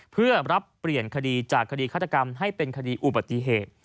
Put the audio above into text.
เพื่อรับเปลี่ยนคดีจากคดีฆาตกรรมให้เป็นคดีอุบัติเหตุ